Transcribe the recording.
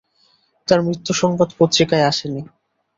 তাঁর মৃত্যুসংবাদ পত্রিকায় আসে নি।